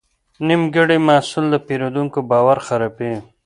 نیمګړی محصول د پیرودونکي باور خرابوي.